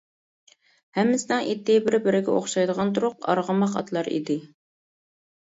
ھەممىسىنىڭ ئېتى بىر-بىرىگە ئوخشايدىغان تورۇق ئارغىماق ئاتلار ئىدى.